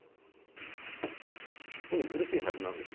本人苦しいはずなんですよ。